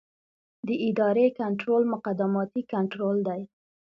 د ادارې کنټرول مقدماتي کنټرول دی.